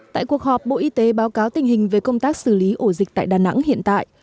tại cuộc họp bộ y tế báo cáo tình hình về công tác xử lý ổ dịch tại đà nẵng hiện tại